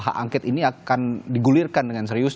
hak angket ini akan digulirkan dengan serius